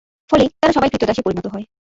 ফলে তারা সবাই ক্রীতদাসে পরিণত হয়।